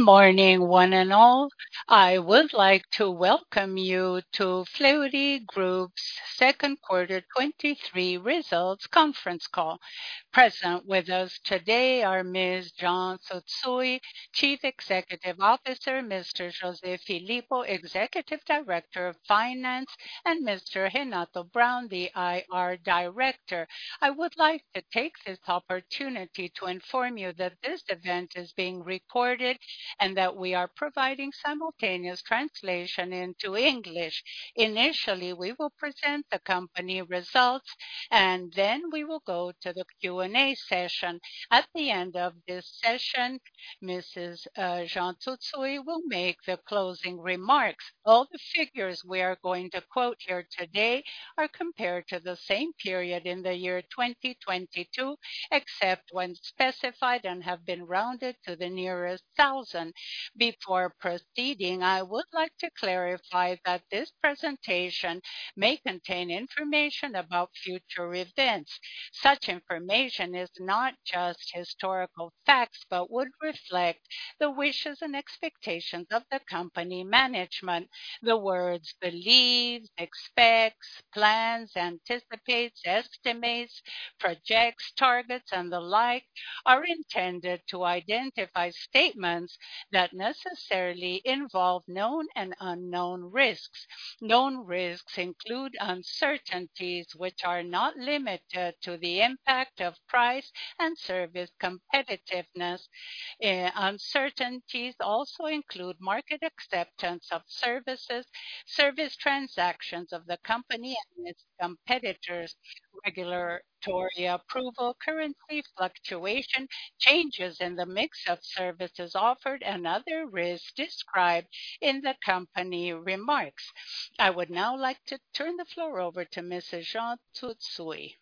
Good morning, one and all. I would like to welcome you to Fleury Group's second quarter 2023 results conference call. Present with us today are Ms. Jeane Tsutsui, Chief Executive Officer, Mr. Jose' Filippo, Executive Director of Finance, and Mr. Renato Braun, the IR Director. I would like to take this opportunity to inform you that this event is being recorded and that we are providing simultaneous translation into English. Initially, we will present the company results, and then we will go to the Q&A session. At the end of this session, Mrs. Jeane Tsutsui will make the closing remarks. All the figures we are going to quote here today are compared to the same period in the year 2022, except when specified and have been rounded to the nearest 1,000. Before proceeding, I would like to clarify that this presentation may contain information about future events. Such information is not just historical facts, but would reflect the wishes and expectations of the company management. The words believe, expects, plans, anticipates, estimates, projects, targets and the like, are intended to identify statements that necessarily involve known and unknown risks. Known risks include uncertainties which are not limited to the impact of price and service competitiveness. Uncertainties also include market acceptance of services, service transactions of the company and its competitors, regulatory approval, currency fluctuation, changes in the mix of services offered, and other risks described in the company remarks. I would now like to turn the floor over to Mrs. Jeane Tsutsui.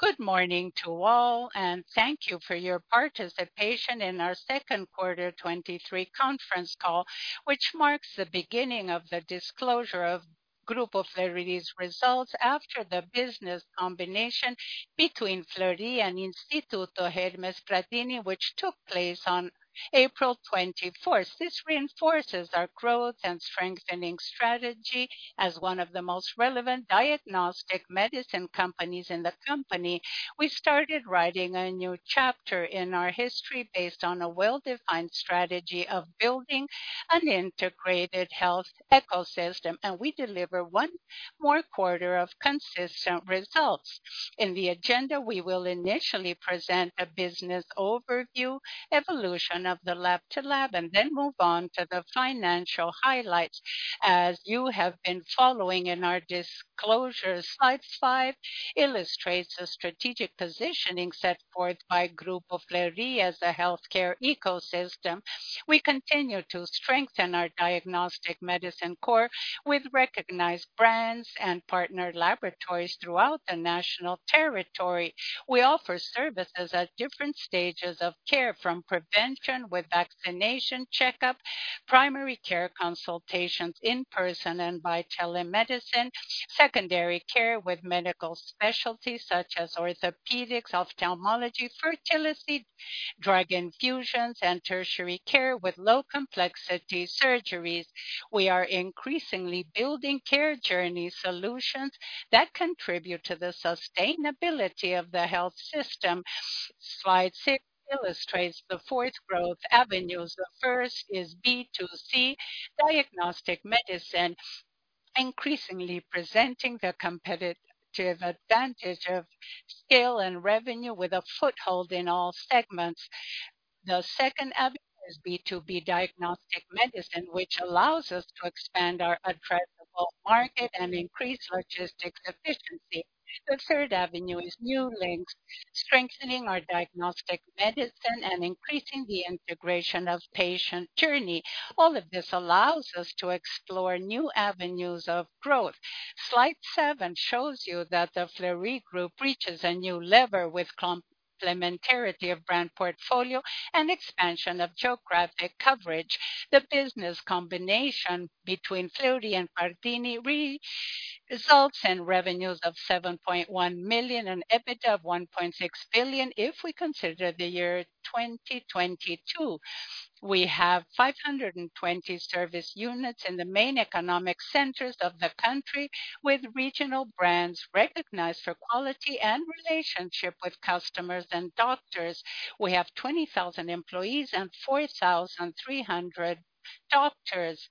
Good morning to all, and thank you for your participation in our second quarter 23 conference call, which marks the beginning of the disclosure of Grupo Fleury's results after the business combination between Fleury and Instituto Hermes Pardini, which took place on April 24th. This reinforces our growth and strengthening strategy as one of the most relevant diagnostic medicine companies in the company. We started writing a new chapter in our history based on a well-defined strategy of building an integrated health ecosystem, and we deliver one more quarter of consistent results. In the agenda, we will initially present a business overview, evolution of the lab-to-lab, and then move on to the financial highlights. As you have been following in our disclosure, slide five illustrates the strategic positioning set forth by Grupo Fleury as a healthcare ecosystem. We continue to strengthen our diagnostic medicine core with recognized brands and partner laboratories throughout the national territory. We offer services at different stages of care, from prevention with vaccination, checkup, primary care consultations in person and by telemedicine, secondary care with medical specialties such as orthopedics, ophthalmology, fertility, drug infusions, and tertiary care with low complexity surgeries. We are increasingly building care journey solutions that contribute to the sustainability of the health system. Slide six illustrates the fourth growth avenues. The first is B2C diagnostic medicine, increasingly presenting the competitive advantage of scale and revenue with a foothold in all segments. The second avenue is B2B diagnostic medicine, which allows us to expand our addressable market and increase logistics efficiency. The third avenue is New Links, strengthening our diagnostic medicine and increasing the integration of patient journey. All of this allows us to explore new avenues of growth. Slide seven shows you that the Grupo Fleury reaches a new level with complementarity of brand portfolio and expansion of geographic coverage. The business combination between Fleury and Pardini results in revenues of 7.1 million and EBITDA of 1.6 billion if we consider the year 2022. We have 520 service units in the main economic centers of the country, with regional brands recognized for quality and relationship with customers and doctors. We have 20,000 employees and 4,300 doctors.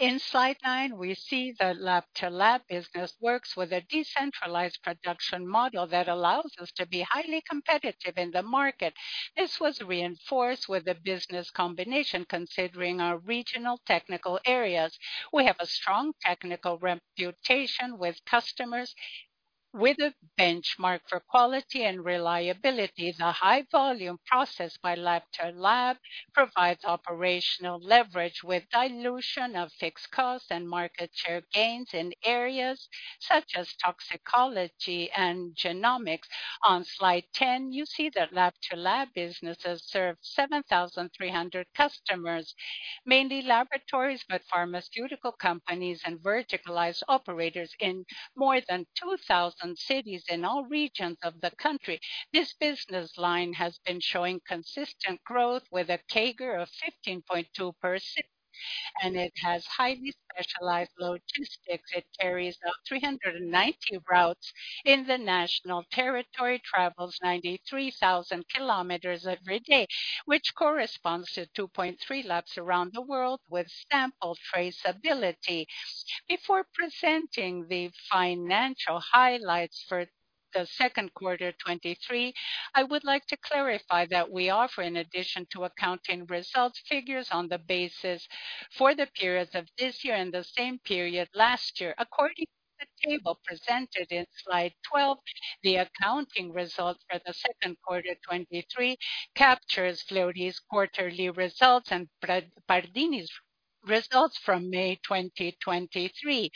In slide nine, we see the lab-to-lab business works with a decentralized production model that allows us to be highly competitive in the market. This was reinforced with the business combination considering our regional technical areas. We have a strong technical reputation with customers with a benchmark for quality and reliability. The high volume processed by lab-to-lab provides operational leverage with dilution of fixed costs and market share gains in areas such as toxicology and genomics. On slide 10, you see that lab-to-lab businesses serve 7,300 customers, mainly laboratories, but pharmaceutical companies and verticalized operators in more than 2,000 cities in all regions of the country. This business line has been showing consistent growth with a CAGR of 15.2%. It has highly specialized logistics. It carries out 390 routes in the national territory, travels 93,000 kilometers every day, which corresponds to 2.3 laps around the world, with sample traceability. Before presenting the financial highlights for the second quarter 2023, I would like to clarify that we offer, in addition to accounting results, figures on the basis for the periods of this year and the same period last year. According to the table presented in slide 12, the accounting results for the second quarter 2023 captures Fleury's quarterly results and Pardini's results from May 2023.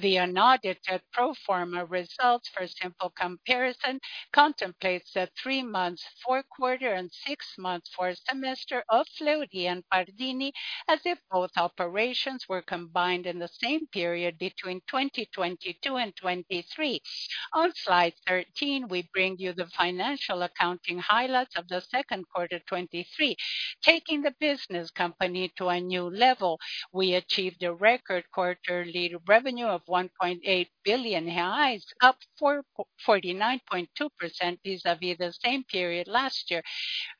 The unaudited pro forma results for a simple comparison contemplates the three months, four quarter, and six months for a semester of Fleury and Pardini, as if both operations were combined in the same period between 2022 and 2023. On slide 13, we bring you the financial accounting highlights of the second quarter 2023. Taking the business company to a new level, we achieved a record quarterly revenue of 1.8 billion reais, up for 49.2% vis-à-vis the same period last year,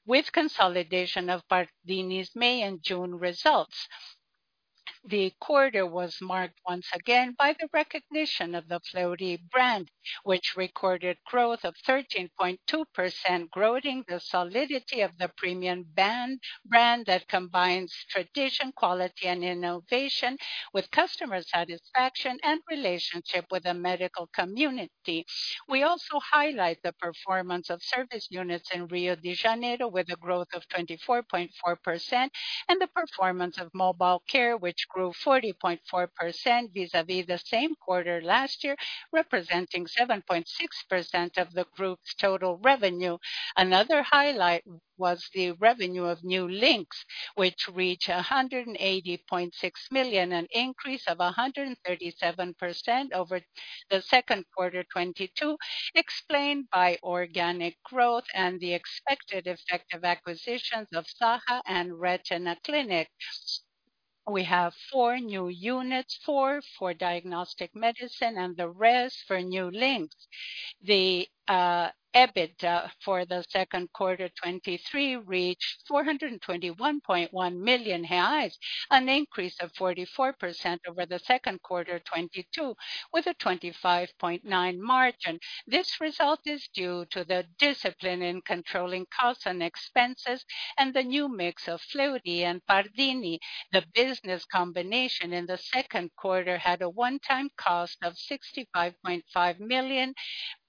with consolidation of Pardini's May and June results. The quarter was marked once again by the recognition of the Fleury brand, which recorded growth of 13.2%, growing the solidity of the premium brand that combines tradition, quality, and innovation with customer satisfaction and relationship with the medical community. We also highlight the performance of service units in Rio de Janeiro, with a growth of 24.4%, and the performance of mobile care, which grew 40.4% vis-a-vis the same quarter last year, representing 7.6% of the group's total revenue. Another highlight was the revenue of New Links, which reached 180.6 million, an increase of 137% over the second quarter 2022, explained by organic growth and the expected effect of acquisitions of Saha and Retina Clinics. We have four new units, four for diagnostic medicine and the rest for New Links. The EBITDA for the second quarter 2023 reached 421.1 million reais, an increase of 44% over the second quarter 2022, with a 25.9% margin. This result is due to the discipline in controlling costs and expenses and the new mix of Fleury and Pardini. The business combination in the second quarter had a one-time cost of 65.5 million,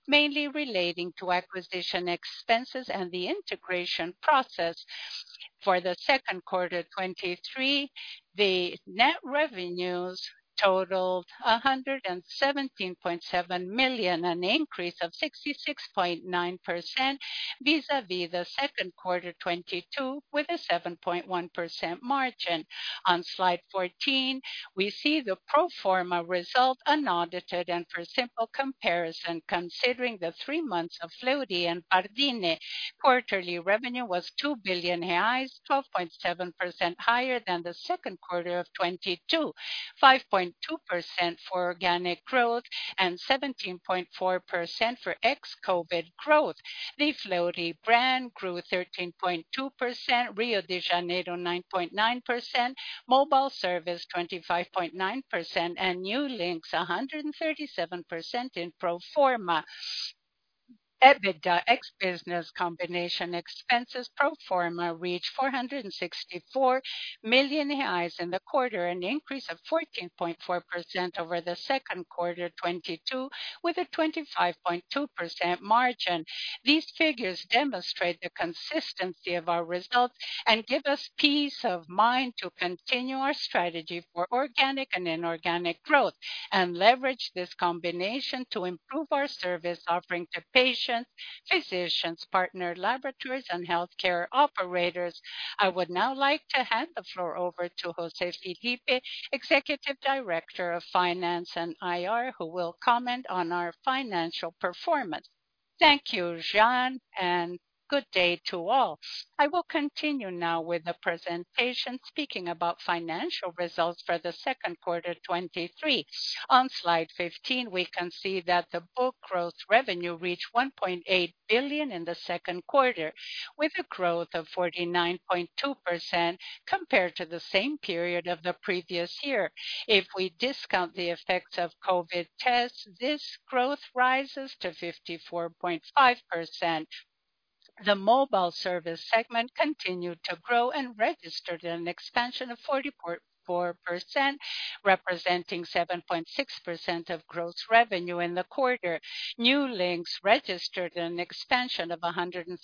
mainly relating to acquisition expenses and the integration process. For the second quarter 2023, the net revenues totaled 117.7 million, an increase of 66.9% vis-a-vis the second quarter 2022, with a 7.1% margin. On Slide 14, we see the pro forma result unaudited and for simple comparison, considering the three months of Fleury and Pardini. Quarterly revenue was 2 billion reais, 12.7% higher than the second quarter of 2022, 5.2% for organic growth and 17.4% for ex-COVID growth. The Fleury brand grew 13.2%, Rio de Janeiro 9.9%, mobile service 25.9%, and New Links 137% in pro forma. EBITDA, ex business combination expenses pro forma, reached 464 million reais in the quarter, an increase of 14.4% over the second quarter 2022, with a 25.2% margin. These figures demonstrate the consistency of our results and give us peace of mind to continue our strategy for organic and inorganic growth, and leverage this combination to improve our service offering to patients, physicians, partner laboratories and healthcare operators. I would now like to hand the floor over to José Filippo, Executive Director of Finance and IR, who will comment on our financial performance. Thank you, Jeane. Good day to all. I will continue now with the presentation, speaking about financial results for the second quarter 23. On slide 15, we can see that the book growth revenue reached 1.8 billion in the second quarter, with a growth of 49.2% compared to the same period of the previous year. If we discount the effects of COVID tests, this growth rises to 54.5%. The mobile service segment continued to grow and registered an expansion of 44%, representing 7.6% of gross revenue in the quarter. New Links registered an expansion of 137%,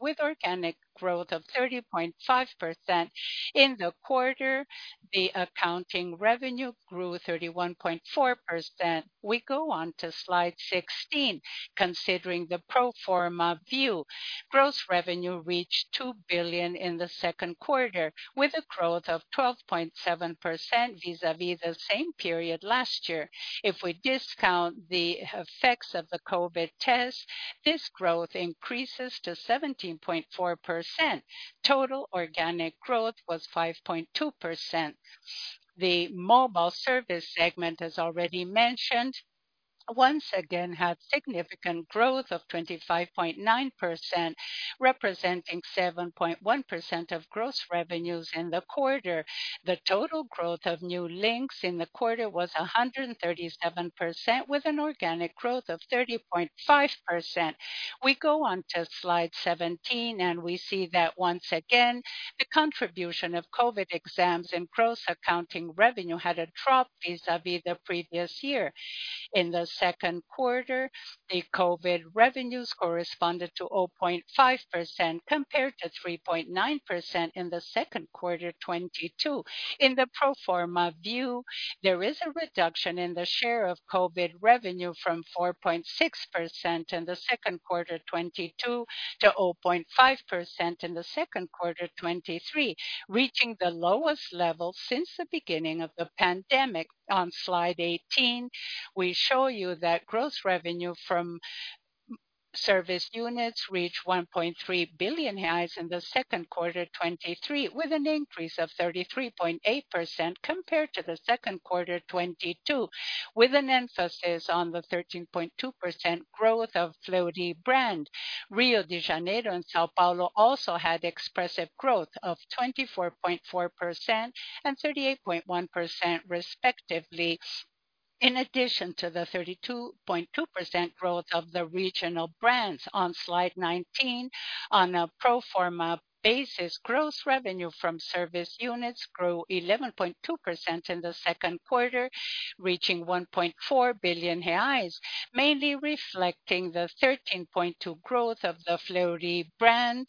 with organic growth of 30.5%. In the quarter, the accounting revenue grew 31.4%. We go on to slide 16. Considering the pro forma view, gross revenue reached 2 billion in the second quarter, with a growth of 12.7% vis-a-vis the same period last year. If we discount the effects of the COVID test, this growth increases to 17.4%. Total organic growth was 5.2%. The mobile service segment, as already mentioned, once again, had significant growth of 25.9%, representing 7.1% of gross revenues in the quarter. The total growth of New Links in the quarter was 137%, with an organic growth of 30.5%. We go on to slide 17. We see that once again, the contribution of COVID exams in gross accounting revenue had a drop vis-a-vis the previous year. In the second quarter, the COVID revenues corresponded to 0.5%, compared to 3.9% in the second quarter 2022. In the pro forma view, there is a reduction in the share of COVID revenue from 4.6% in the second quarter 2022 to 0.5% in the second quarter 2023, reaching the lowest level since the beginning of the pandemic. On Slide 18, we show you that gross revenue from service units reached 1.3 billion in the second quarter 2023, with an increase of 33.8% compared to the second quarter 2022, with an emphasis on the 13.2% growth of Fleury brand. Rio de Janeiro and São Paulo also had expressive growth of 24.4% and 38.1%, respectively, in addition to the 32.2% growth of the regional brands. On Slide 19, on a pro forma basis, gross revenue from service units grew 11.2% in the second quarter, reaching 1.4 billion reais, mainly reflecting the 13.2 growth of the Fleury brand,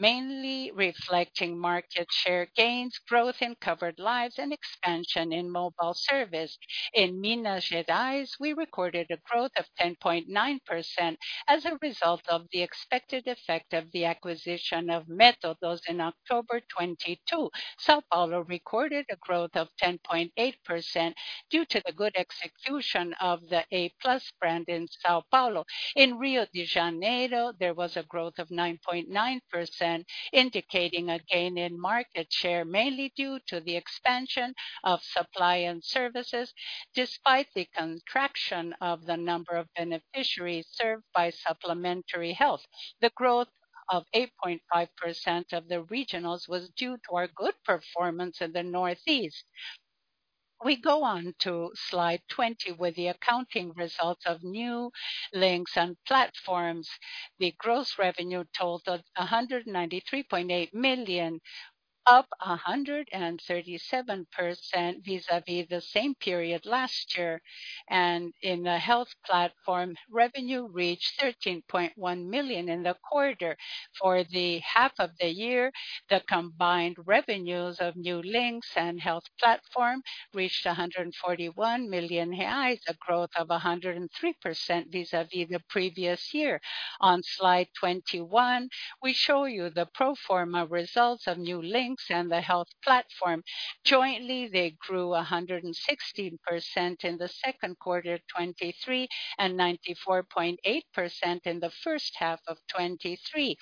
mainly reflecting market share gains, growth in covered lives, and expansion in mobile service. In Minas Gerais, we recorded a growth of 10.9% as a result of the expected effect of the acquisition of Méthodos in October 2022. São Paulo recorded a growth of 10.8% due to the good execution of the a+ brand in São Paulo. In Rio de Janeiro, there was a growth of 9.9%, indicating a gain in market share, mainly due to the expansion of supply and services, despite the contraction of the number of beneficiaries served by supplementary health. The growth of 8.5% of the regionals was due to our good performance in the Northeast. We go on to Slide 20, with the accounting results of New Links and platforms. The gross revenue totaled 193.8 million, up 137% vis-a-vis the same period last year. In the health platform, revenue reached 13.1 million in the quarter. For the half of the year, the combined revenues of New Links and health platform reached 141 million reais, a growth of 103% vis-a-vis the previous year. On Slide 21, we show you the pro forma results of New Links and the health platform. Jointly, they grew 116% in the second quarter 2023 and 94.8% in the first half of 2023.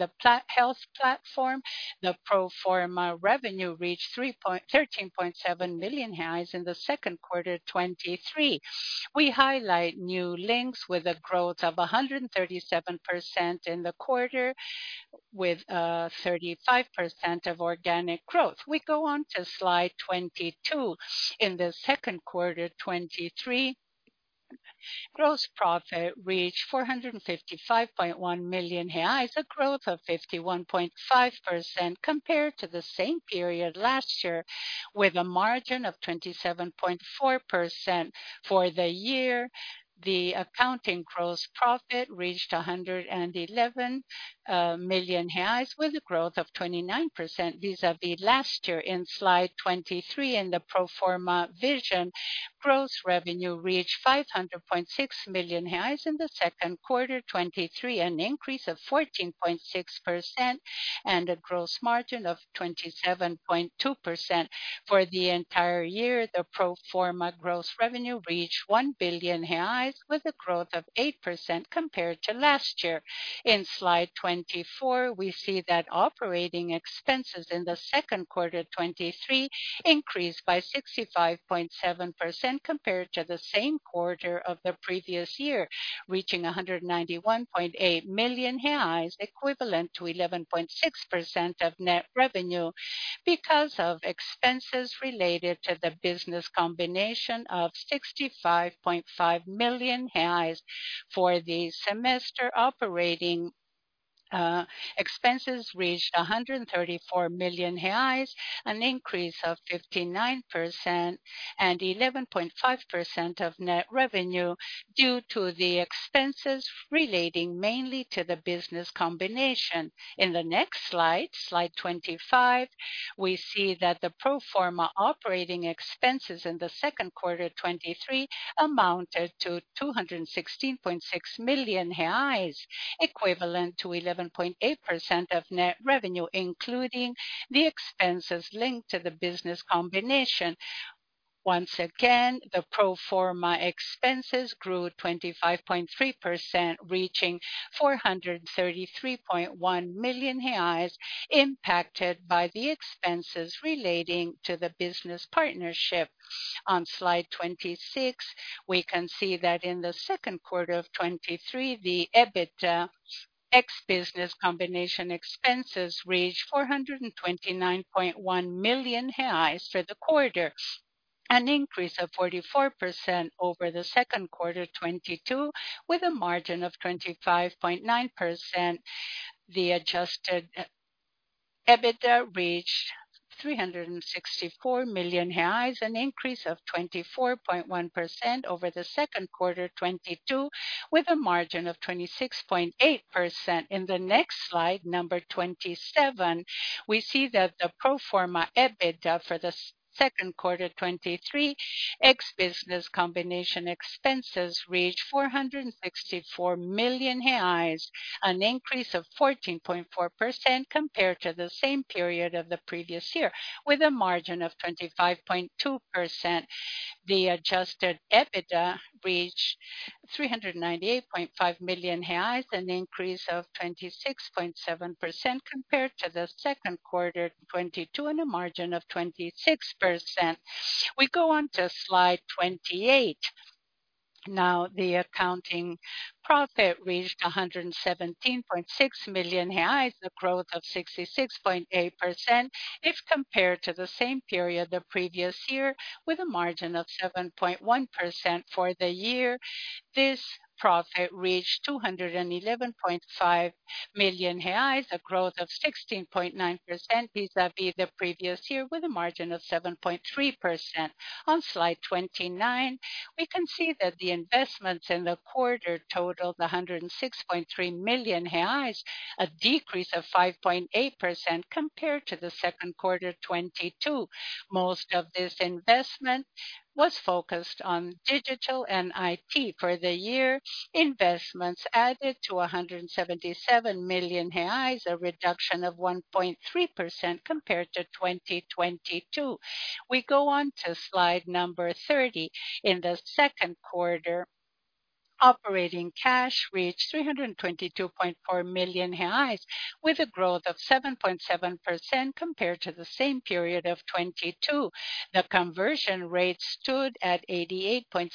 The health platform, the pro forma revenue reached 13.7 million in the second quarter 2023. We highlight New Links with a growth of 137% in the quarter, with 35% of organic growth. We go on to Slide 22. In the second quarter 2023, gross profit reached 455.1 million reais, a growth of 51.5% compared to the same period last year, with a margin of 27.4%. For the year, the accounting gross profit reached 111 million reais, with a growth of 29% vis-a-vis last year. In Slide 23, in the pro forma vision, gross revenue reached 500.6 million reais in the second quarter 2023, an increase of 14.6% and a gross margin of 27.2%. For the entire year, the pro forma gross revenue reached 1 billion reais, with a growth of 8% compared to last year. In Slide 24, we see that operating expenses in the second quarter 2023 increased by 65.7% compared to the same quarter of the previous year, reaching 191.8 million reais, equivalent to 11.6% of net revenue. Because of expenses related to the business, combination of 65.5 million. For the semester, operating expenses reached 134 million reais, an increase of 59% and 11.5% of net revenue due to the expenses relating mainly to the business combination. In the next slide, Slide 25, we see that the pro forma operating expenses in the second quarter 2023 amounted to 216.6 million reais, equivalent to 11.8% of net revenue, including the expenses linked to the business combination. Once again, the pro forma expenses grew 25.3%, reaching 433.1 million reais, impacted by the expenses relating to the business partnership. On slide 26, we can see that in the second quarter 2023, the EBITDA, ex business combination expenses, reached 429.1 million reais for the quarter, an increase of 44% over the second quarter 2022, with a margin of 25.9%. The adjusted EBITDA reached 364 million reais, an increase of 24.1% over the second quarter 2022, with a margin of 26.8%. In the next slide, number 27, we see that the pro forma EBITDA for the second quarter 2023, ex business combination expenses, reached 464 million reais, an increase of 14.4% compared to the same period of the previous year, with a margin of 25.2%. The adjusted EBITDA reached 398.5 million reais, an increase of 26.7% compared to the second quarter 2022, and a margin of 26%. We go on to slide 28. Now, the accounting profit reached 117.6 million reais, a growth of 66.8% if compared to the same period the previous year, with a margin of 7.1%. For the year, this profit reached 211.5 million reais, a growth of 16.9% vis-a-vis the previous year, with a margin of 7.3%. On slide 29, we can see that the investments in the quarter totaled 106.3 million reais, a decrease of 5.8% compared to the second quarter 2022. Most of this investment was focused on digital and IT. For the year, investments added to 177 million reais, a reduction of 1.3% compared to 2022. We go on to slide number 30. In the second quarter, operating cash reached 322.4 million reais, with a growth of 7.7% compared to the same period of 2022. The conversion rate stood at 88.7%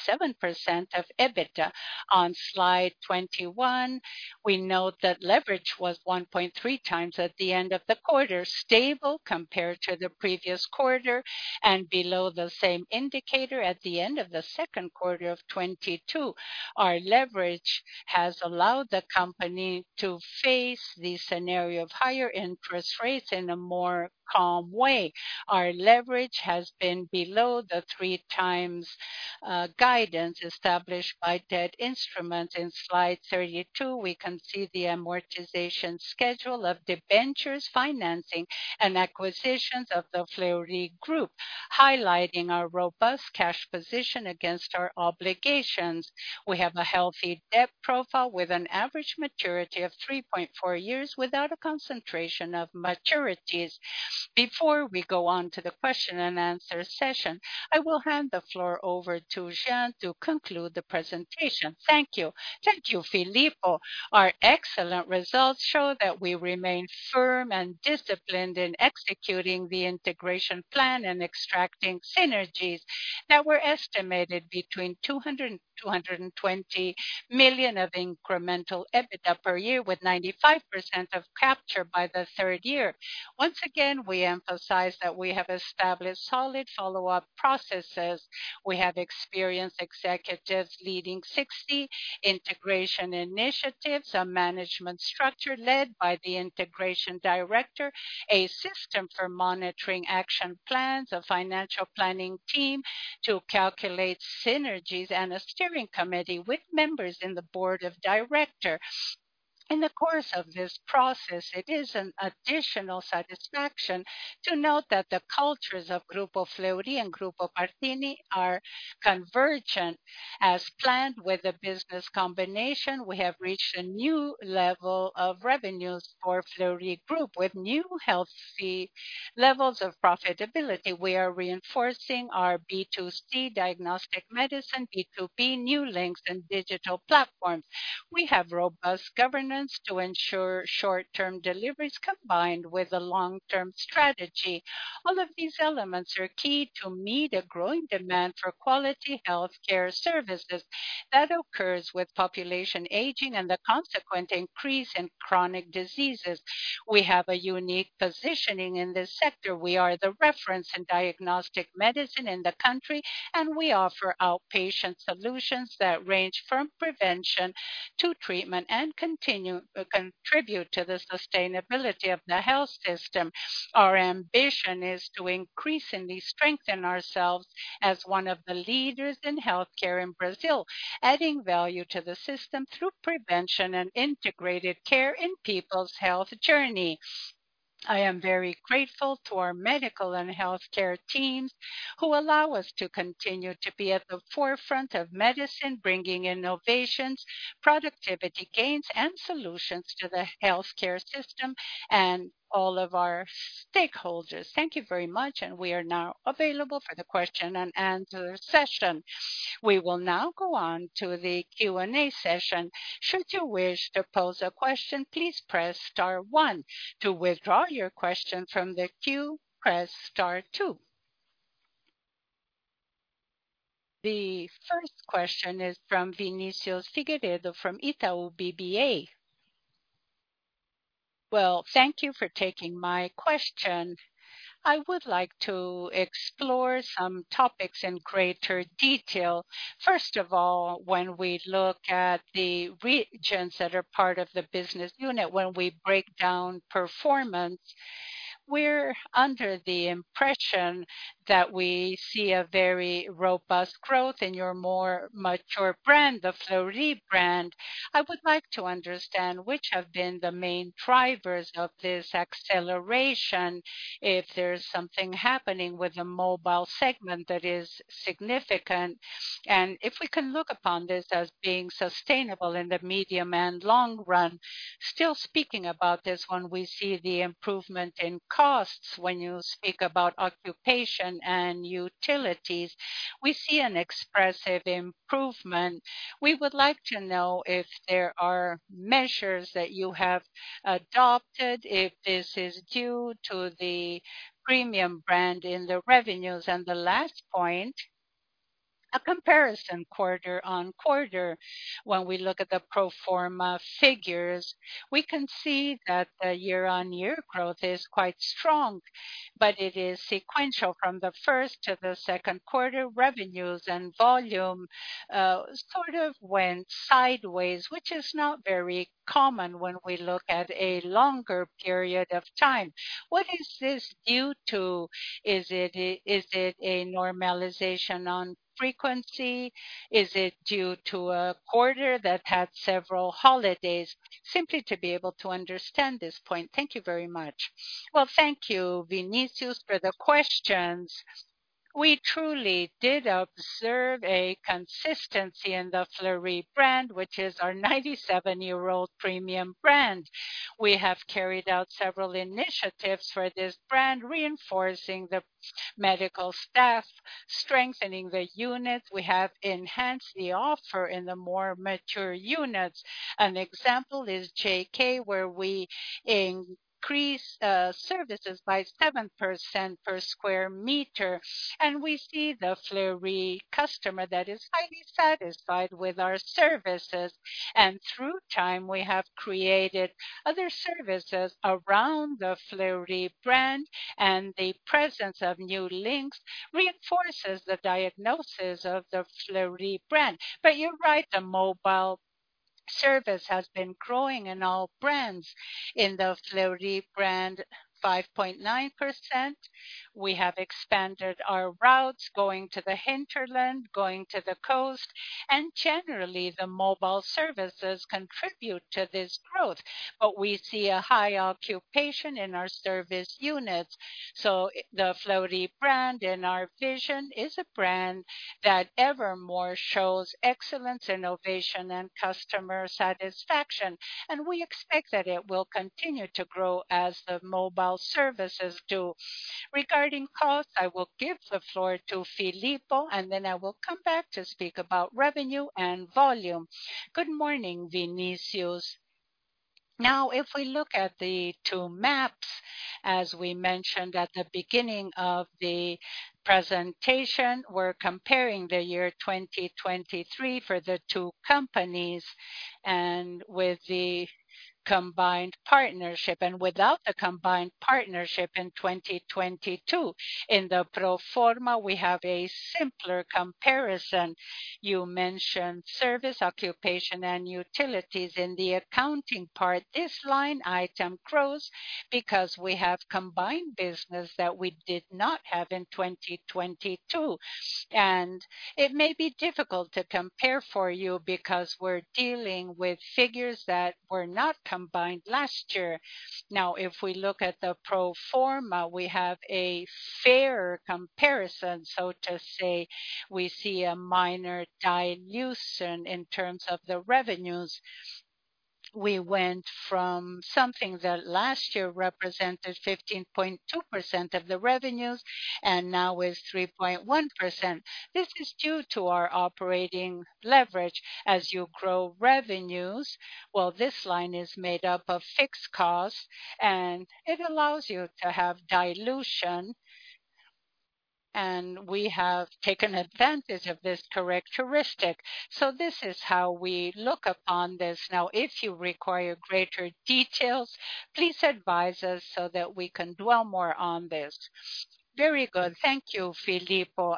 of EBITDA. On slide 21, we note that leverage was 1.3x at the end of the quarter, stable compared to the previous quarter and below the same indicator at the end of the second quarter of 2022. Our leverage has allowed the company to face the scenario of higher interest rates in a more calm way. Our leverage has been below the 3 times guidance established by debt instruments. In slide 32, we can see the amortization schedule of debentures, financing, and acquisitions of the Fleury Group, highlighting our robust cash position against our obligations. We have a healthy debt profile with an average maturity of 3.4 years without a concentration of maturities. Before we go on to the question and answer session, I will hand the floor over to Jeane to conclude the presentation. Thank you. Thank you, Filippo. Our excellent results show that we remain firm and disciplined in executing the integration plan and extracting synergies that were estimated between 200 million and 220 million of incremental EBITDA per year, with 95% of capture by the 3rd year. Once again, we emphasize that we have established solid follow-up processes. We have experienced executives leading 60 integration initiatives, a management structure led by the integration director, a system for monitoring action plans, a financial planning team to calculate synergies, and a steering committee with members in the board of directors. In the course of this process, it is an additional satisfaction to note that the cultures of Grupo Fleury and Grupo Pardini are convergent. As planned with the business combination, we have reached a new level of revenues for Fleury Group with new healthy levels of profitability. We are reinforcing our B2C diagnostic medicine, B2B, New Links, and digital platforms. We have robust governance to ensure short-term deliveries combined with a long-term strategy. All of these elements are key to meet a growing demand for quality healthcare services that occurs with population aging and the consequent increase in chronic diseases. We have a unique positioning in this sector. We are the reference in diagnostic medicine in the country, and we offer outpatient solutions that range from prevention to treatment and contribute to the sustainability of the health system. Our ambition is to increasingly strengthen ourselves as one of the leaders in healthcare in Brazil, adding value to the system through prevention and integrated care in people's health journey. I am very grateful to our medical and healthcare teams, who allow us to continue to be at the forefront of medicine, bringing innovations, productivity gains, and solutions to the healthcare system and all of our stakeholders. Thank you very much. We are now available for the question and answer session. We will now go on to the Q&A session. Should you wish to pose a question, please press star one. To withdraw your question from the queue, press star two. The first question is from Vinicius Figueiredo from Itaú BBA. Thank you for taking my question. I would like to explore some topics in greater detail. First of all, when we look at the regions that are part of the business unit, when we break down performance, we're under the impression that we see a very robust growth in your more mature brand, the Fleury brand. I would like to understand which have been the main drivers of this acceleration, if there's something happening with the mobile segment that is significant, and if we can look upon this as being sustainable in the medium and long run. Still speaking about this, when we see the improvement in costs, when you speak about occupation and utilities, we see an expressive improvement. We would like to know if there are measures that you have adopted, if this is due to the premium brand in the revenues. The last point, a comparison quarter-over-quarter. When we look at the pro forma figures, we can see that the year-over-year growth is quite strong, but it is sequential. From the first to the second quarter, revenues and volume sort of went sideways, which is not very common when we look at a longer period of time. What is this due to? Is it a normalization on frequency? Is it due to a quarter that had several holidays? Simply to be able to understand this point. Thank you very much. Well, thank you, Vinicius, for the questions. We truly did observe a consistency in the Fleury brand, which is our 97-year-old premium brand. We have carried out several initiatives for this brand, reinforcing the medical staff, strengthening the units. We have enhanced the offer in the more mature units. An example is JK, where we increased services by 7% per square meter, and we see the Fleury customer that is highly satisfied with our services. Through time, we have created other services around the Fleury brand, the presence of New Links reinforces the diagnosis of the Fleury brand. You're right, the mobile service has been growing in all brands. In the Fleury brand, 5.9%. We have expanded our routes, going to the hinterland, going to the coast, and generally, the mobile services contribute to this growth. We see a high occupation in our service units. The Fleury brand, in our vision, is a brand that ever more shows excellence, innovation, and customer satisfaction, and we expect that it will continue to grow as the mobile services do. Regarding costs, I will give the floor to Filippo, and then I will come back to speak about revenue and volume. Good morning, Vinicius. If we look at the two maps, as we mentioned at the beginning of the presentation, we're comparing the year 2023 for the two companies, and with the combined partnership and without the combined partnership in 2022. In the pro forma, we have a simpler comparison. You mentioned service, occupation, and utilities in the accounting part. This line item grows because we have combined business that we did not have in 2022, and it may be difficult to compare for you because we're dealing with figures that were not combined last year. If we look at the pro forma, we have a fair comparison. To say, we see a minor dilution in terms of the revenues. We went from something that last year represented 15.2% of the revenues and now is 3.1%. This is due to our operating leverage as you grow revenues. This line is made up of fixed costs, and it allows you to have dilution, and we have taken advantage of this characteristic. This is how we look upon this. If you require greater details, please advise us so that we can dwell more on this. Very good. Thank you, Filippo.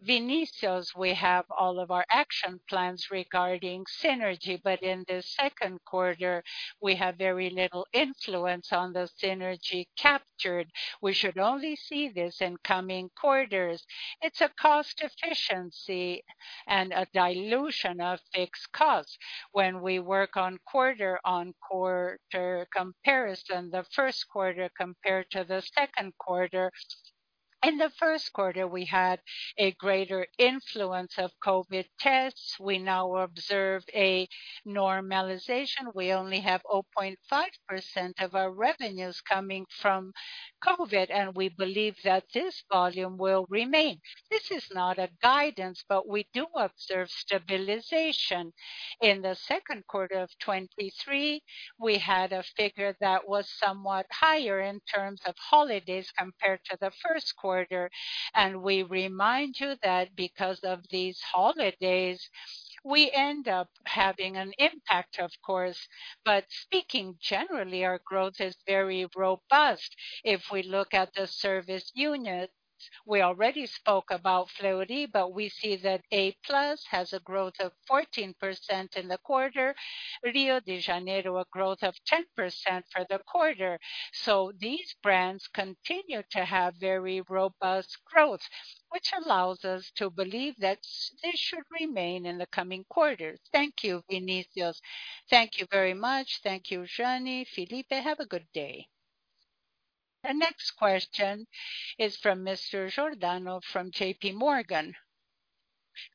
Vinicius, we have all of our action plans regarding synergy, but in the second quarter, we have very little influence on the synergy captured. We should only see this in coming quarters. It's a cost efficiency and a dilution of fixed costs. When we work on quarter-on-quarter comparison, the first quarter compared to the second quarter. In the first quarter, we had a greater influence of COVID tests. We now observe a normalization. We only have 0.5% of our revenues coming from COVID, and we believe that this volume will remain. This is not a guidance, but we do observe stabilization. In the second quarter of 2023, we had a figure that was somewhat higher in terms of holidays compared to the first quarter, and we remind you that because of these holidays, we end up having an impact, of course. Speaking generally, our growth is very robust. If we look at the service unit, we already spoke about Fleury, we see that A Plus has a growth of 14% in the quarter. Rio de Janeiro, a growth of 10% for the quarter. These brands continue to have very robust growth, which allows us to believe that this should remain in the coming quarters. Thank you, Vinicius. Thank you very much. Thank you, Jeanne, Felipe. Have a good day. The next question is from Mr. Giordano, from JPMorgan.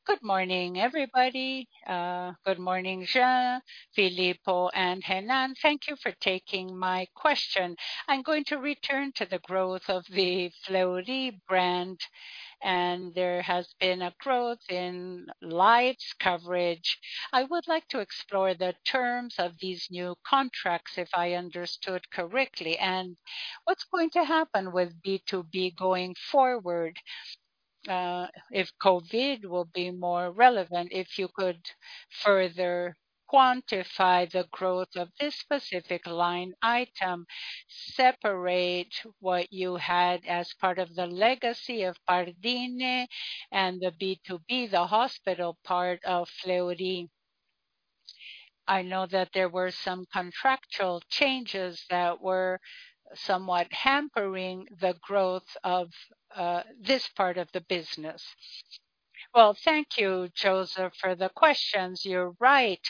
Good morning, everybody. Good morning, Jean, Filippo, and Renato. Thank you for taking my question. I'm going to return to the growth of the Fleury brand, there has been a growth in lives coverage. I would like to explore the terms of these new contracts, if I understood correctly, and what's going to happen with B2B going forward, if COVID will be more relevant, if you could further quantify the growth of this specific line item, separate what you had as part of the legacy of Pardini and the B2B, the hospital part of Fleury. I know that there were some contractual changes that were somewhat hampering the growth of this part of the business. Well, thank you, Joseph, for the questions. You're right.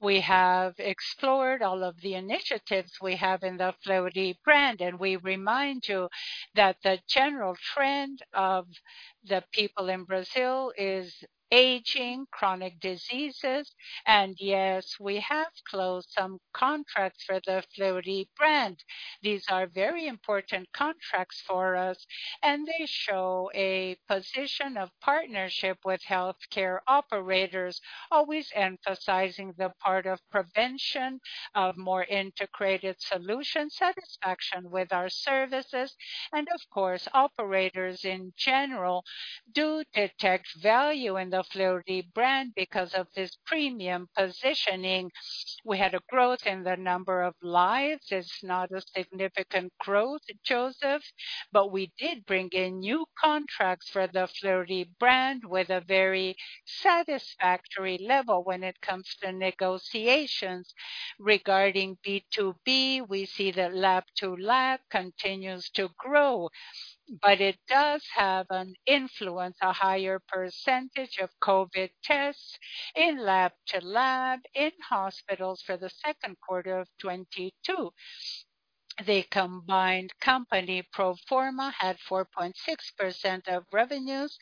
We have explored all of the initiatives we have in the Fleury brand. We remind you that the general trend of the people in Brazil is aging, chronic diseases. Yes, we have closed some contracts for the Fleury brand. These are very important contracts for us, and they show a position of partnership with healthcare operators, always emphasizing the part of prevention, of more integrated solution, satisfaction with our services. Of course, operators in general do detect value in the Fleury brand because of this premium positioning. We had a growth in the number of lives. It's not a significant growth, Joseph, but we did bring in new contracts for the Fleury brand with a very satisfactory level when it comes to negotiations. Regarding B2B, we see that lab-to-lab continues to grow, but it does have an influence, a higher percentage of COVID tests in lab-to-lab, in hospitals for the second quarter of 2022. The combined company pro forma had 4.6% of revenues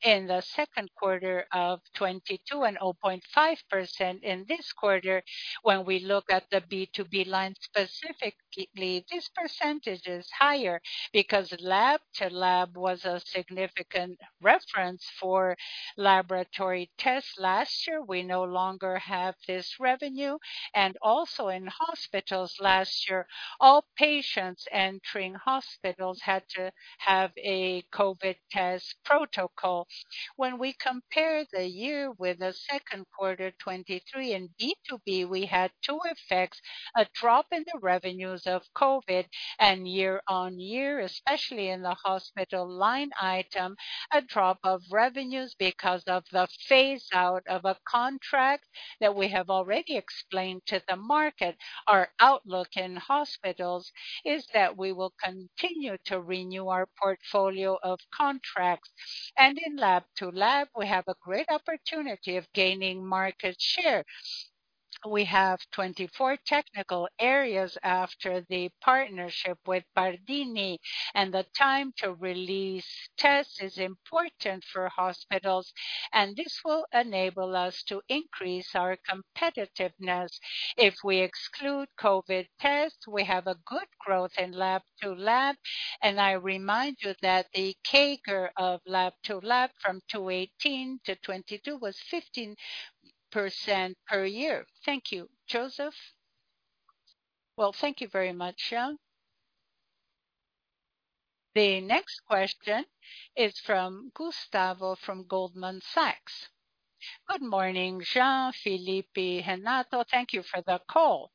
in the second quarter of 2022 and 0.5% in this quarter. When we look at the B2B line specifically, this percentage is higher because lab-to-lab was a significant reference for laboratory tests last year. We no longer have this revenue. Also in hospitals last year, all patients entering hospitals had to have a COVID test protocol. When we compare the year with the second quarter 2023 in B2B, we had 2 effects: a drop in the revenues of COVID and year-on-year, especially in the hospital line item, a drop of revenues because of the phase out of a contract that we have already explained to the market. Our outlook in hospitals is that we will continue to renew our portfolio of contracts. In lab-to-lab, we have a great opportunity of gaining market share. We have 24 technical areas after the partnership with Pardini, the time to release tests is important for hospitals, and this will enable us to increase our competitiveness. If we exclude COVID tests, we have a good growth in lab-to-lab, and I remind you that the CAGR of lab-to-lab from 2018 to 2022 was 15% per year. Thank you. Joseph? Well, thank you very much, Jeane. The next question is from Gustavo, from Goldman Sachs. Good morning, Jeane, Jose Filippo, Renato Braun. Thank you for the call.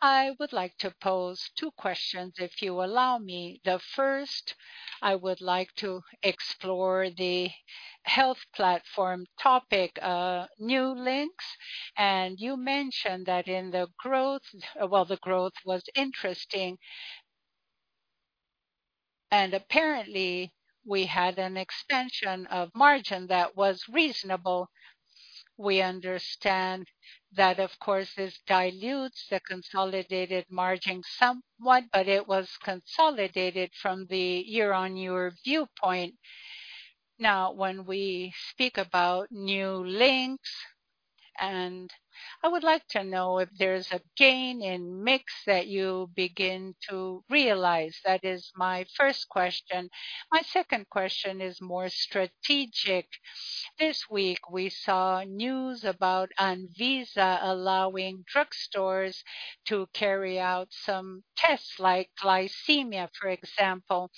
I would like to pose two questions, if you allow me. The first, I would like to explore the health platform topic, New Links. You mentioned that in the growth-- well, the growth was interesting. Apparently, we had an extension of margin that was reasonable. We understand that, of course, this dilutes the consolidated margin somewhat, but it was consolidated from the year-on-year viewpoint. Now, when we speak about New Links, I would like to know if there's a gain in mix that you begin to realize. That is my first question. My second question is more strategic. This week, we saw news about Anvisa allowing drugstores to carry out some tests, like glycemia, for example.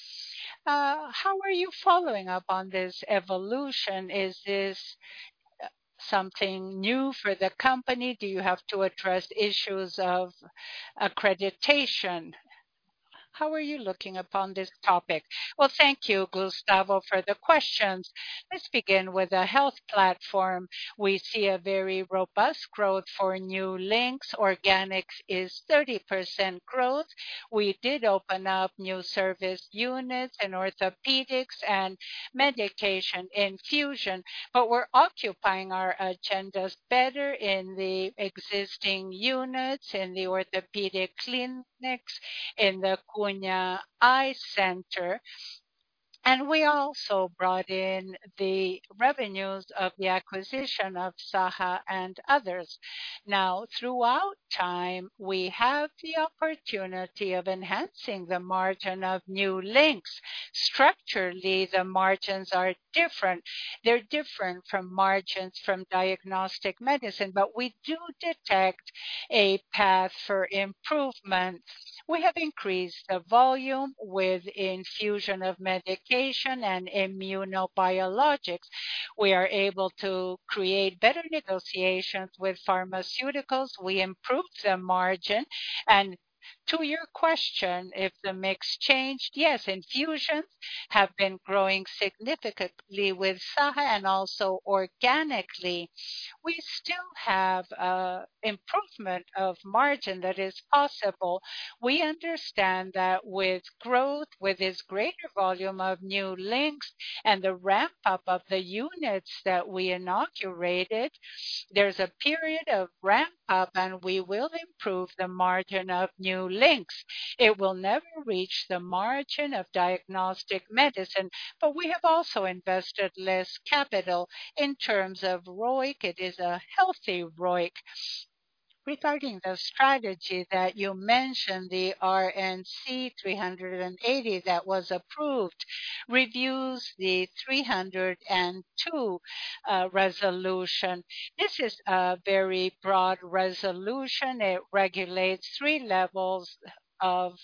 How are you following up on this evolution? Is this something new for the company? Do you have to address issues of accreditation? How are you looking upon this topic? Well, thank you, Gustavo, for the questions. Let's begin with the health platform. We see a very robust growth for New Links. Organics is 30% growth. We did open up new service units in orthopedics and medication infusion. We're occupying our agendas better in the existing units, in the orthopedic clinics, in the Cunha Eye Center, and we also brought in the revenues of the acquisition of Saha and others. Throughout time, we have the opportunity of enhancing the margin of New Links. Structurally, the margins are different. They're different from margins from diagnostic medicine. We do detect a path for improvement. We have increased the volume with infusion of medication and immunobiologicals. We are able to create better negotiations with pharmaceuticals. We improved the margin. To your question, if the mix changed, yes, infusions have been growing significantly with Saha and also organically. We still have improvement of margin that is possible. We understand that with growth, with this greater volume of New Links and the ramp-up of the units that we inaugurated, there's a period of ramp-up, and we will improve the margin of New Links. It will never reach the margin of diagnostic medicine, we have also invested less capital. In terms of ROIC, it is a healthy ROIC. Regarding the strategy that you mentioned, the RDC 786 that was approved, reviews the 302 resolution. This is a very broad resolution. It regulates levels levels of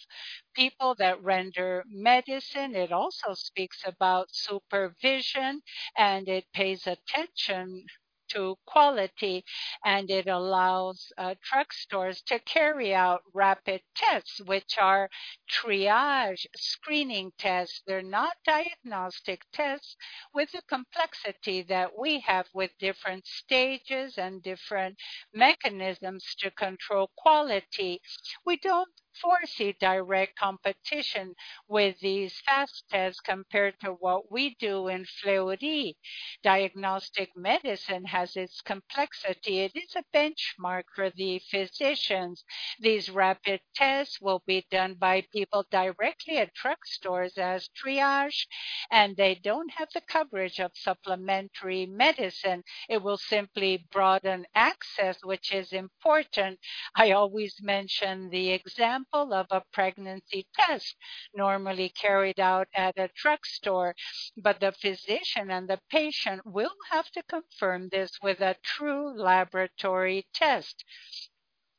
people that render medicine. It also speaks about supervision, and it pays attention to quality, and it allows drugstores to carry out rapid tests, which are triage screening tests. They're not diagnostic tests with the complexity that we have with different stages and different mechanisms to control quality. We don't foresee direct competition with these fast tests compared to what we do in Fleury. Diagnostic medicine has its complexity. It is a benchmark for the physicians. These rapid tests will be done by people directly at drugstores as triage, and they don't have the coverage of supplementary medicine. It will simply broaden access, which is important. I always mention the example of a pregnancy test normally carried out at a drugstore, but the physician and the patient will have to confirm this with a true laboratory test.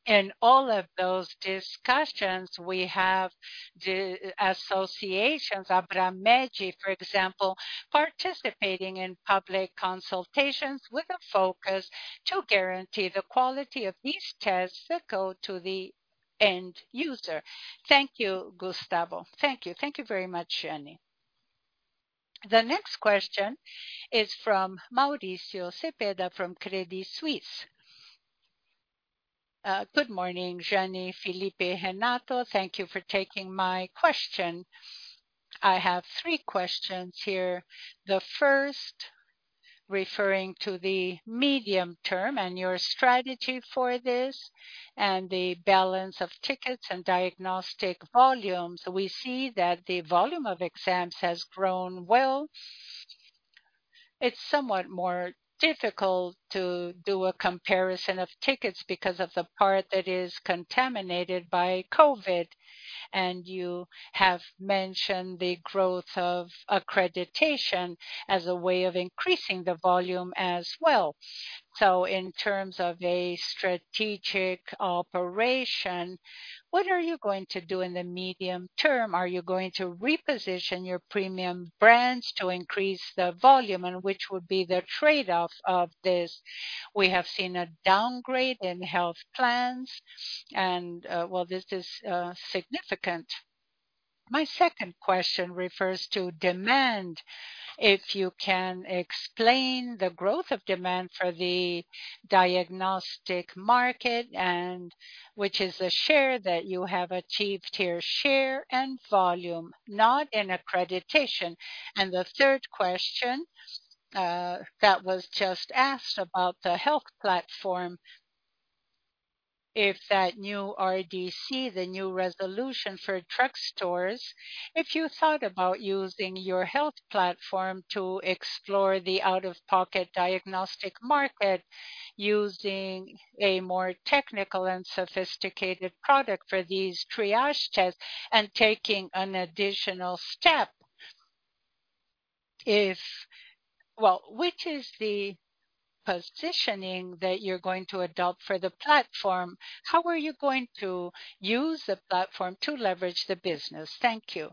In all of those discussions, we have the associations, Abramge, for example, participating in public consultations with a focus to guarantee the quality of these tests that go to the end user. Thank you, Gustavo. Thank you. Thank you very much, Jeane. The next question is from Mauricio Cepeda from Credit Suisse. Good morning, Janie, Felipe, Renato. Thank you for taking my question. I have three questions here. The first, referring to the medium term and your strategy for this and the balance of tickets and diagnostic volumes. We see that the volume of exams has grown well. It's somewhat more difficult to do a comparison of tickets because of the part that is contaminated by COVID, and you have mentioned the growth of accreditation as a way of increasing the volume as well. In terms of a strategic operation, what are you going to do in the medium term? Are you going to reposition your premium brands to increase the volume, and which would be the trade-off of this? We have seen a downgrade in health plans, and, well, this is significant. My second question refers to demand. If you can explain the growth of demand for the diagnostic market, which is the share that you have achieved here, share and volume, not in accreditation. The third question, that was just asked about the health platform, if that new RDC, the new resolution for drugstores, if you thought about using your health platform to explore the out-of-pocket diagnostic market using a more technical and sophisticated product for these triage tests and taking an additional step. Well, which is the positioning that you're going to adopt for the platform? How are you going to use the platform to leverage the business? Thank you.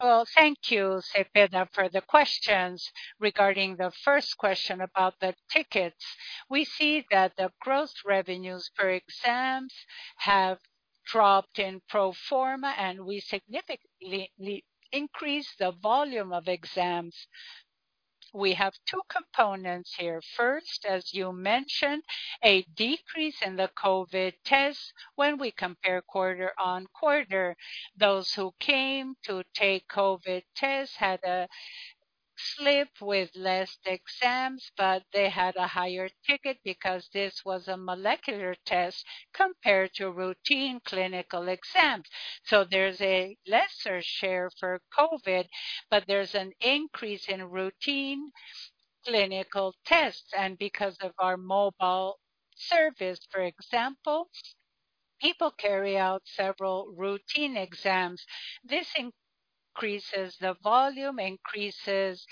Well, thank you, Cepeda, for the questions. Regarding the first question about the tickets, we see that the growth revenues per exams have dropped in pro forma. We significantly increased the volume of exams. We have 2 components here. First, as you mentioned, a decrease in the COVID tests when we compare quarter-over-quarter. Those who came to take COVID tests had a slip with less exams, but they had a higher ticket because this was a molecular test compared to routine clinical exams. There's a lesser share for COVID, but there's an increase in routine clinical tests. Because of our mobile service, for example, people carry out several routine exams. This increases the volume, increases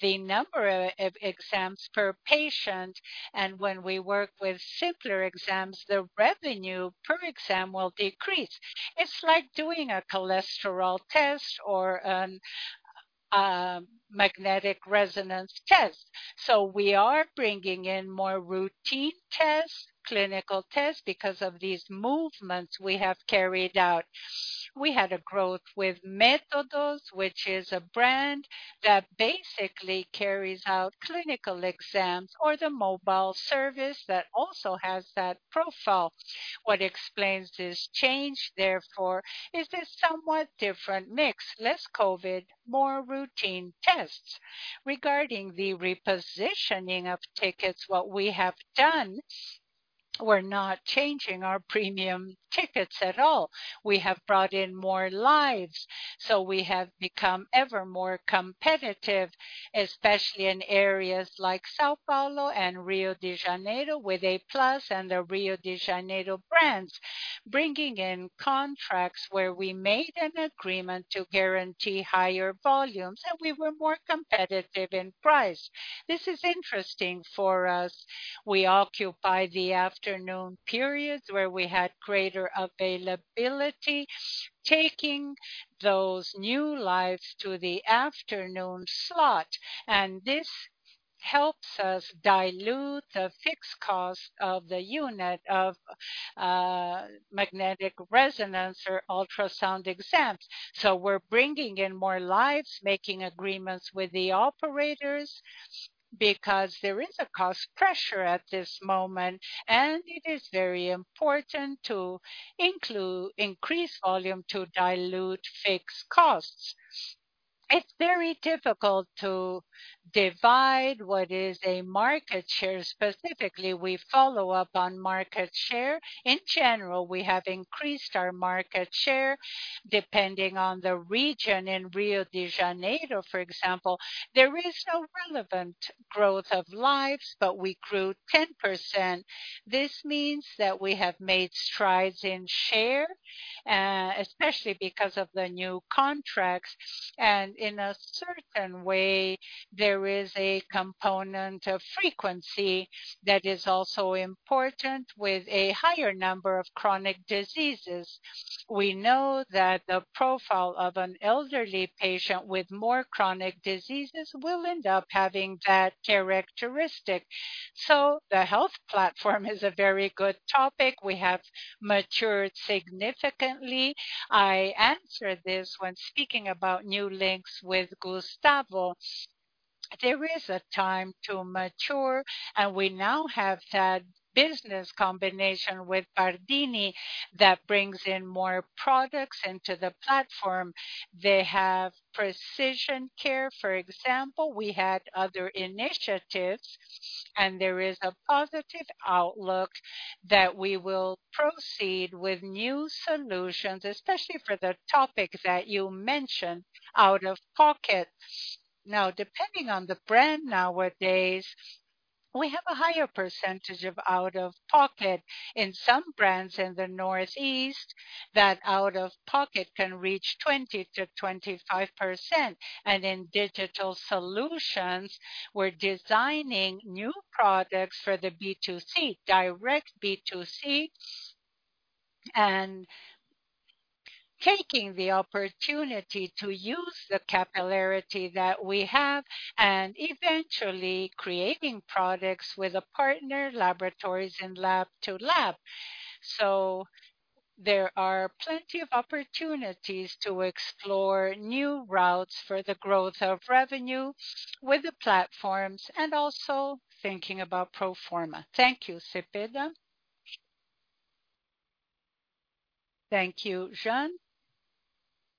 the number of exams per patient, and when we work with simpler exams, the revenue per exam will decrease. It's like doing a cholesterol test or a magnetic resonance test. We are bringing in more routine tests, clinical tests, because of these movements we have carried out. We had a growth with Méthodos, which is a brand that basically carries out clinical exams, or the mobile service that also has that profile. What explains this change, therefore, is this somewhat different mix, less COVID, more routine tests. Regarding the repositioning of tickets, what we have done, we're not changing our premium tickets at all. We have brought in more lives, so we have become ever more competitive, especially in areas like São Paulo and Rio de Janeiro, with a+ and the Rio de Janeiro brands, bringing in contracts where we made an agreement to guarantee higher volumes, and we were more competitive in price. This is interesting for us. We occupy the afternoon periods, where we had greater availability, taking those new lives to the afternoon slot, and this helps us dilute the fixed cost of the unit of magnetic resonance or ultrasound exams. We're bringing in more lives, making agreements with the operators, because there is a cost pressure at this moment, and it is very important to include increased volume to dilute fixed costs. It's very difficult to divide what is a market share. Specifically, we follow up on market share. In general, we have increased our market share, depending on the region. In Rio de Janeiro, for example, there is no relevant growth of lives, but we grew 10%. This means that we have made strides in share, especially because of the new contracts, and in a certain way, there is a component of frequency that is also important with a higher number of chronic diseases. We know that the profile of an elderly patient with more chronic diseases will end up having that characteristic. The health platform is a very good topic. We have matured significantly. I answered this when speaking about New Links with Gustavo. There is a time to mature, and we now have that business combination with Pardini that brings in more products into the platform. They have precision care, for example. We had other initiatives, and there is a positive outlook that we will proceed with new solutions, especially for the topics that you mentioned, out-of-pocket. Now, depending on the brand nowadays, we have a higher percentage of out-of-pocket. In some brands in the Northeast, that out-of-pocket can reach 20%-25%. In digital solutions, we're designing new products for the B2C, direct B2C, and taking the opportunity to use the capillarity that we have and eventually creating products with a partner, laboratories and lab-to-lab. There are plenty of opportunities to explore new routes for the growth of revenue with the platforms and also thinking about pro forma. Thank you, Cepeda. Thank you, Jeane.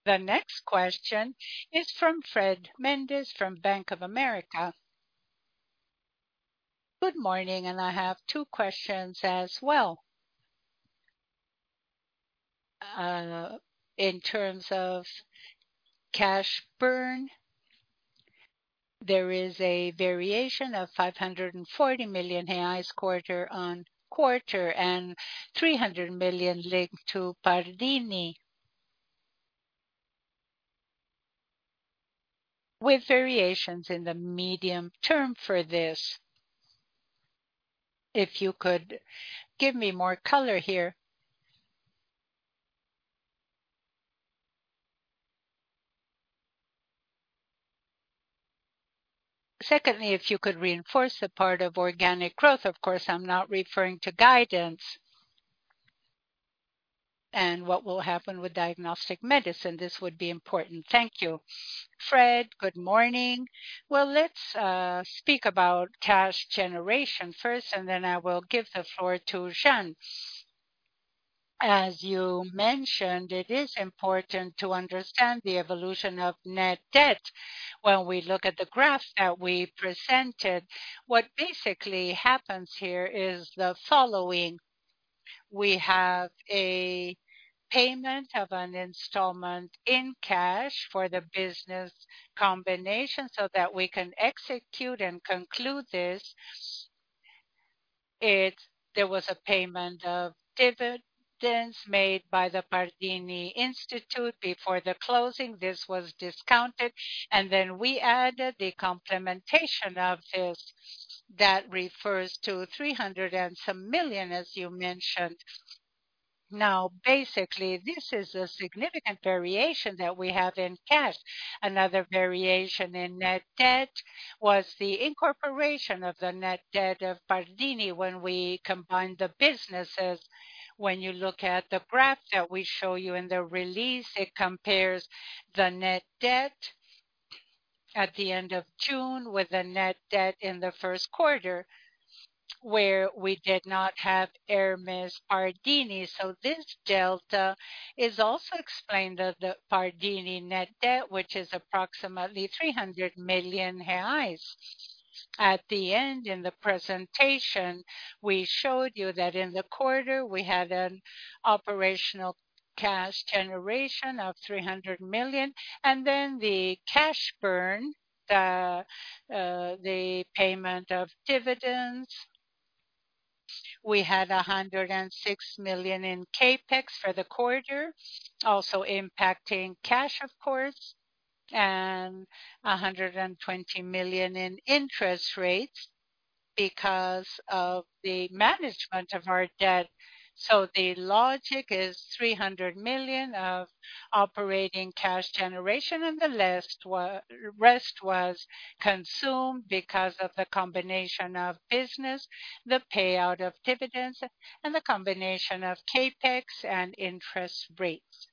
The next question is from Fred Mendes, from Bank of America. Good morning. I have two questions as well. In terms of cash burn, there is a variation of R$540 million quarter-over-quarter, R$300 million linked to Pardini. With variations in the medium term for this, if you could give me more color here. Secondly, if you could reinforce the part of organic growth, of course, I'm not referring to guidance, what will happen with diagnostic medicine, this would be important. Thank you. Fred, good morning. Well, let's speak about cash generation first, then I will give the floor to Jeane. As you mentioned, it is important to understand the evolution of net debt. When we look at the graph that we presented, what basically happens here is the following: We have a payment of an installment in cash for the business combination so that we can execute and conclude this. There was a payment of dividends made by the Pardini Institute before the closing. This was discounted, and then we added the complementation of this, that refers to 300 and some million, as you mentioned. Basically, this is a significant variation that we have in cash. Another variation in net debt was the incorporation of the net debt of Pardini when we combined the businesses. When you look at the graph that we show you in the release, it compares the net debt at the end of June with the net debt in the first quarter, where we did not have Hermes Pardini. This delta is also explained at the Pardini net debt, which is approximately 300 million reais. At the end, in the presentation, we showed you that in the quarter, we had an operational cash generation of 300 million, and then the cash burn, the payment of dividends. We had 106 million in CapEx for the quarter, also impacting cash, of course, and 120 million in interest rates because of the management of our debt. The logic is 300 million of operating cash generation, and the last rest was consumed because of the combination of business, the payout of dividends, and the combination of CapEx and interest rates.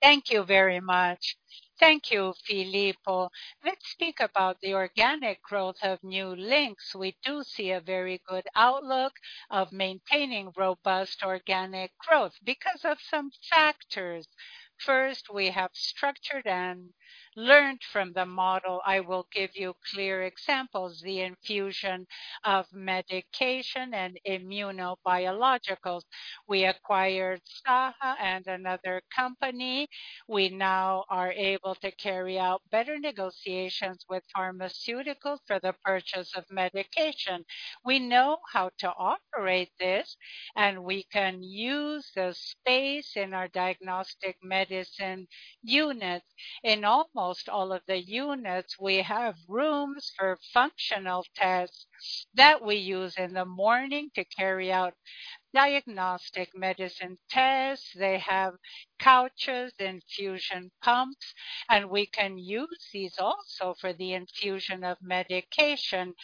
Thank you very much. Thank you, Filippo. Let's speak about the organic growth of New Links. We do see a very good outlook of maintaining robust organic growth because of some factors. First, we have structured and learned from the model. I will give you clear examples. The infusion of medication and immunobiologicals. We acquired Saha and another company. We now are able to carry out better negotiations with pharmaceuticals for the purchase of medication. We know how to operate this, and we can use the space in our diagnostic medicine unit. In almost all of the units, we have rooms for functional tests that we use in the morning to carry out diagnostic medicine tests. They have couches, infusion pumps, and we can use these also for the infusion of medication.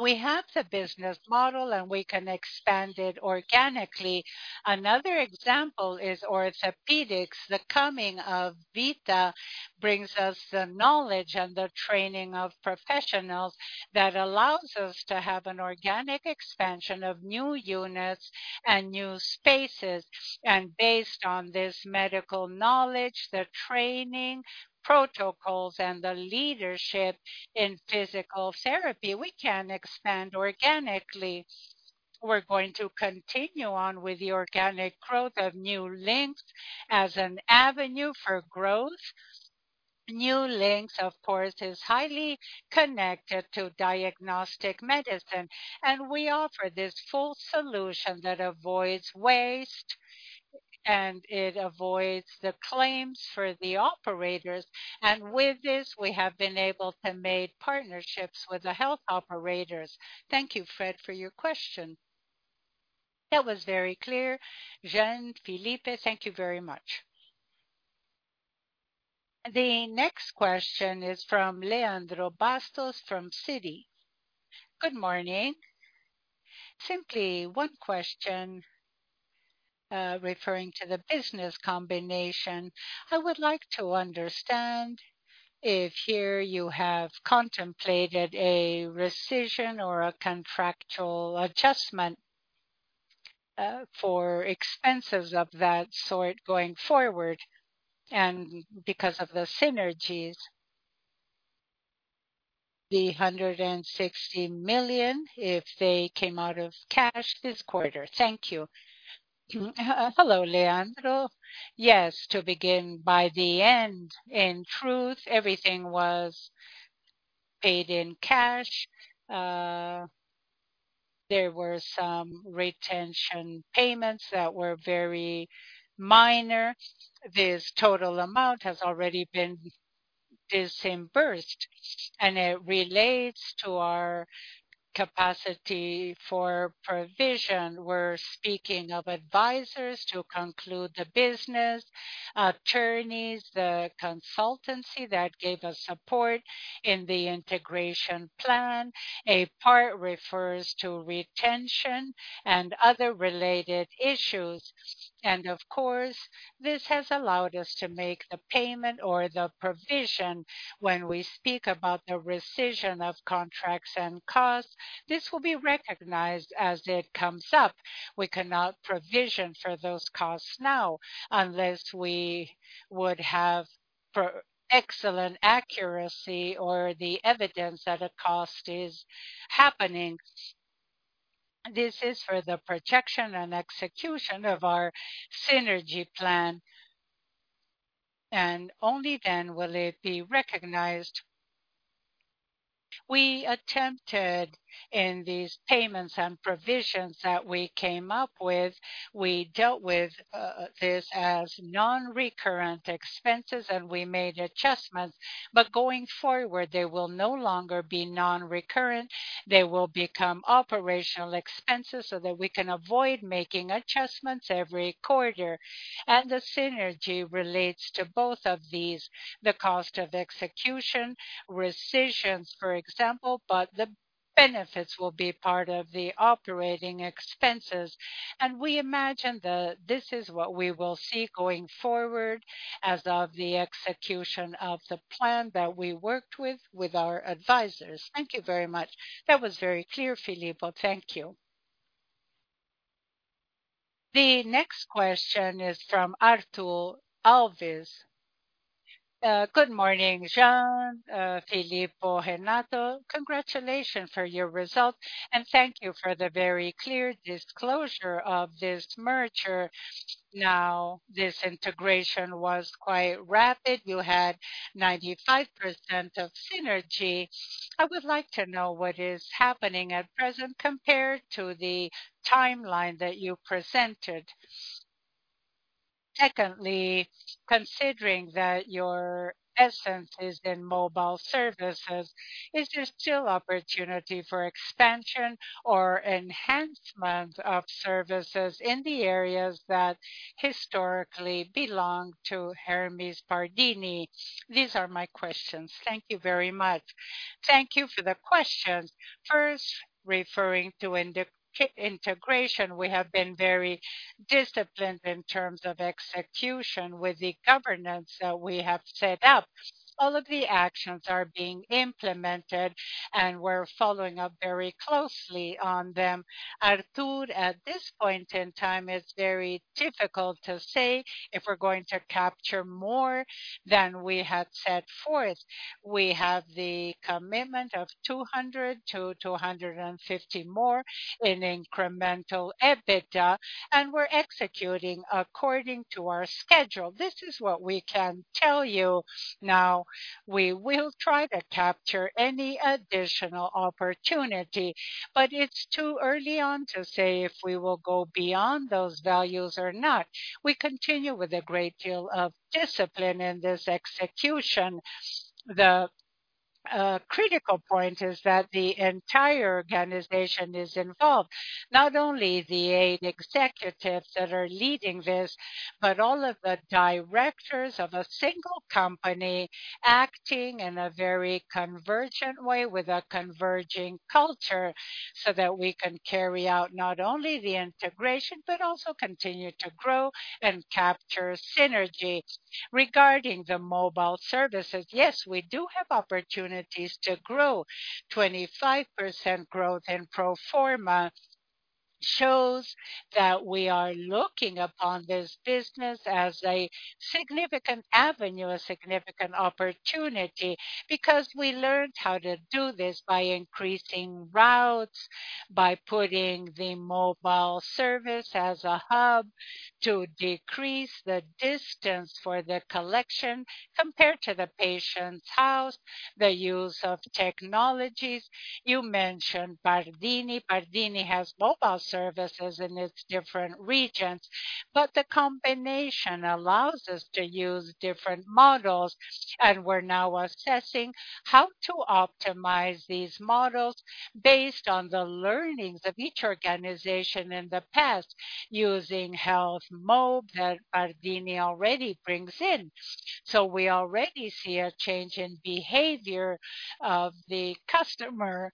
We have the business model, and we can expand it organically. Another example is orthopedics. The coming of Vita brings us the knowledge and the training of professionals that allows us to have an organic expansion of new units and new spaces. Based on this medical knowledge, the training, protocols, and the leadership in physical therapy, we can expand organically. We're going to continue on with the organic growth of New Links as an avenue for growth. New Links, of course, is highly connected to diagnostic medicine. We offer this full solution that avoids waste. It avoids the claims for the operators. With this, we have been able to make partnerships with the health operators. Thank you, Fred, for your question. That was very clear. Jeane, Filippo, thank you very much. The next question is from Leandro Bastos from Citi. Good morning. Simply one question, referring to the business combination. I would like to understand if here you have contemplated a rescission or a contractual adjustment for expenses of that sort going forward, and because of the synergies, the 160 million, if they came out of cash this quarter. Thank you. Hello, Leandro. Yes, to begin by the end, in truth, everything was paid in cash. There were some retention payments that were very minor. This total amount has already been disbursed, and it relates to our capacity for provision. We're speaking of advisors to conclude the business, attorneys, the consultancy that gave us support in the integration plan. A part refers to retention and other related issues. Of course, this has allowed us to make the payment or the provision. When we speak about the rescission of contracts and costs, this will be recognized as it comes up. We cannot provision for those costs now unless we would have excellent accuracy or the evidence that a cost is happening. This is for the protection and execution of our synergy plan, only then will it be recognized. We attempted in these payments and provisions that we came up with, we dealt with this as non-recurrent expenses, we made adjustments, going forward, they will no longer be non-recurrent. They will become operational expenses that we can avoid making adjustments every quarter. The synergy relates to both of these, the cost of execution, rescissions, for example, the benefits will be part of the operating expenses. We imagine that this is what we will see going forward as of the execution of the plan that we worked with, with our advisors. Thank you very much. That was very clear, Filippo. Thank you. The next question is from Arthur Alves. Good morning, Jean, Filippo, Renato. Congratulations for your result, and thank you for the very clear disclosure of this merger. Now, this integration was quite rapid. You had 95% of synergy. I would like to know what is happening at present compared to the timeline that you presented. Secondly, considering that your essence is in mobile services, is there still opportunity for expansion or enhancement of services in the areas that historically belong to Hermes Pardini? These are my questions. Thank you very much. Thank you for the question. First, referring to integration, we have been very disciplined in terms of execution with the governance that we have set up. All of the actions are being implemented, and we're following up very closely on them Arthur, at this point in time, it's very difficult to say if we're going to capture more than we had set forth. We have the commitment of 200-250 more in incremental EBITDA, and we're executing according to our schedule. This is what we can tell you now. We will try to capture any additional opportunity, but it's too early on to say if we will go beyond those values or not. We continue with a great deal of discipline in this execution. The critical point is that the entire organization is involved, not only the 8 executives that are leading this, but all of the directors of a single company acting in a very convergent way with a converging culture, so that we can carry out not only the integration, but also continue to grow and capture synergy. Regarding the mobile services, yes, we do have opportunities to grow. 25% growth in pro forma shows that we are looking upon this business as a significant avenue, a significant opportunity, because we learned how to do this by increasing routes, by putting the mobile service as a hub to decrease the distance for the collection compared to the patient's house, the use of technologies. You mentioned Pardini. Pardini has mobile services in its different regions, but the combination allows us to use different models, and we're now assessing how to optimize these models based on the learnings of each organization in the past, using Health Mob that Pardini already brings in. We already see a change in behavior of the customer.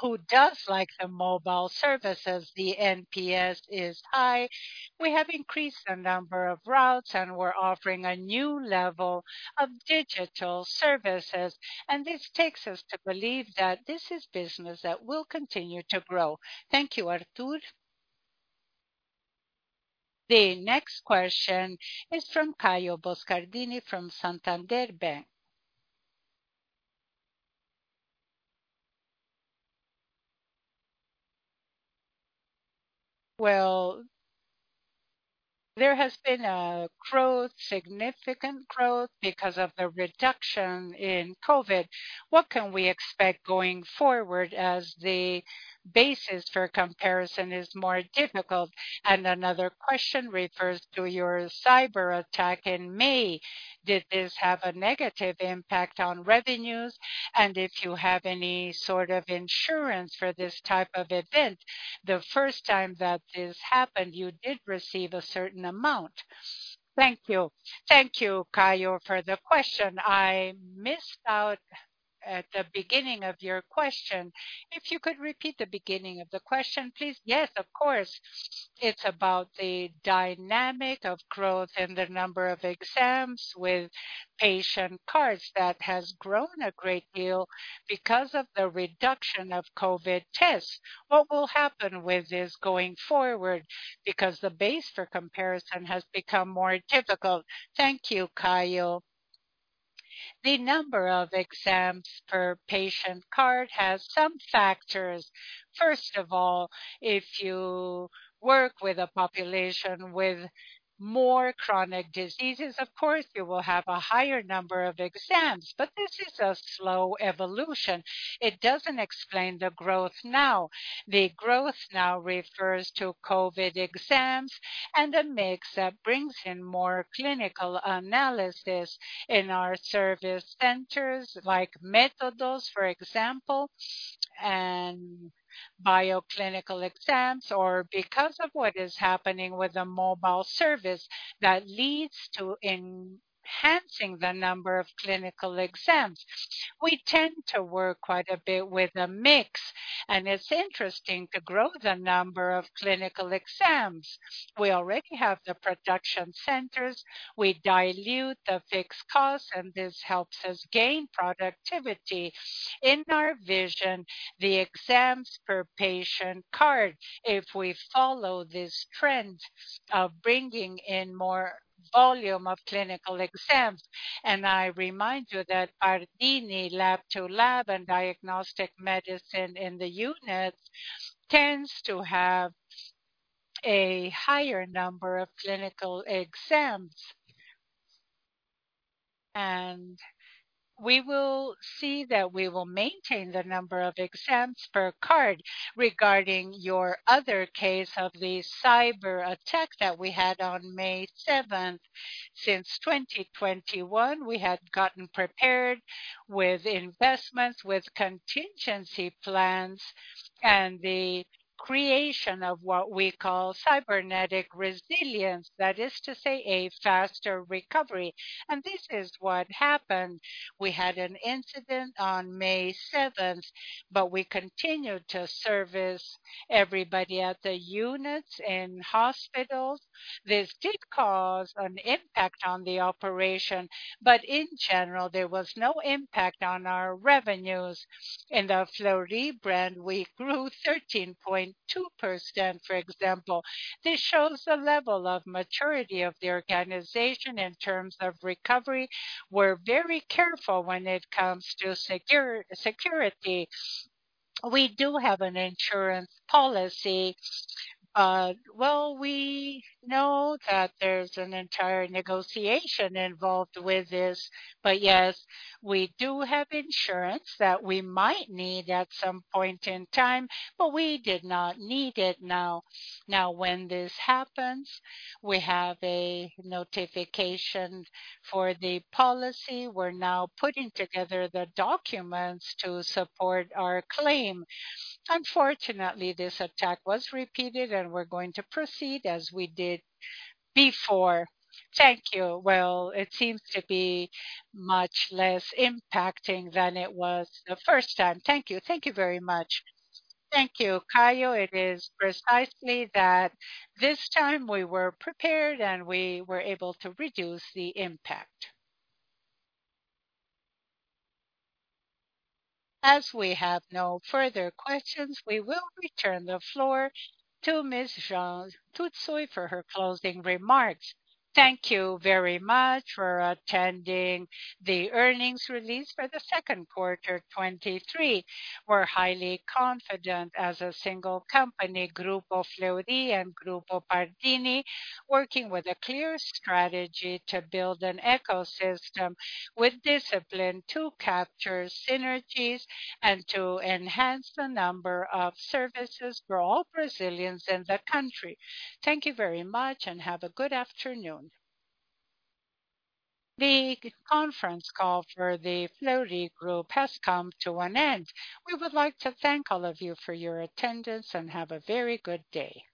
Who does like the mobile services, the NPS is high. We have increased the number of routes, and we're offering a new level of digital services, and this takes us to believe that this is business that will continue to grow. Thank you, Arthur. The next question is from Caio Boscardini, from Santander Bank. Well, there has been a growth, significant growth, because of the reduction in COVID. What can we expect going forward as the basis for comparison is more difficult? Another question refers to your cyber attack in May. Did this have a negative impact on revenues? If you have any sort of insurance for this type of event, the first time that this happened, you did receive a certain amount. Thank you. Thank you, Caio, for the question. I missed out at the beginning of your question. If you could repeat the beginning of the question, please. Yes, of course. It's about the dynamic of growth and the number of exams with patient cards that has grown a great deal because of the reduction of COVID tests. What will happen with this going forward? The base for comparison has become more difficult. Thank you, Caio. The number of exams per patient card has some factors. First of all, if you work with a population with more chronic diseases, of course, you will have a higher number of exams, but this is a slow evolution. It doesn't explain the growth now. The growth now refers to COVID exams and a mix that brings in more clinical analysis in our service centers, like Méthodos, for example, and bioclinical exams, or because of what is happening with the mobile service, that leads to enhancing the number of clinical exams. We tend to work quite a bit with a mix, it's interesting to grow the number of clinical exams. We already have the production centers. We dilute the fixed costs, and this helps us gain productivity. In our vision, the exams per patient card, if we follow this trend of bringing in more volume of clinical exams, and I remind you that Pardini lab-to-lab and diagnostic medicine in the units tends to have a higher number of clinical exams. We will see that we will maintain the number of exams per card. Regarding your other case of the cyber attack that we had on May 7th, since 2021, we had gotten prepared with investments, with contingency plans, and the creation of what we call cybernetic resilience, that is to say, a faster recovery. This is what happened. We had an incident on May 7th, we continued to service everybody at the units and hospitals. This did cause an impact on the operation. In general, there was no impact on our revenues. In the Fleury brand, we grew 13.2%, for example. This shows the level of maturity of the organization in terms of recovery. We're very careful when it comes to security. We do have an insurance policy. Well, we know that there's an entire negotiation involved with this. Yes, we do have insurance that we might need at some point in time. We did not need it now. When this happens, we have a notification for the policy. We're now putting together the documents to support our claim. Unfortunately, this attack was repeated. We're going to proceed as we did before. Thank you. Well, it seems to be much less impacting than it was the first time. Thank you. Thank you very much. Thank you, Caio. It is precisely that this time we were prepared, and we were able to reduce the impact. As we have no further questions, we will return the floor to Ms. Jeane Tsutsui for her closing remarks. Thank you very much for attending the earnings release for the second quarter, 2023. We're highly confident as a single company, Grupo Fleury and Grupo Pardini, working with a clear strategy to build an ecosystem with discipline, to capture synergies and to enhance the number of services for all Brazilians in the country. Thank you very much and have a good afternoon. The conference call for the Fleury Group has come to an end. We would like to thank all of you for your attendance. Have a very good day.